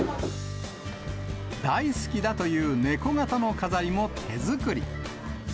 大好きだという猫形の飾りも手作り。